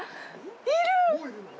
いる。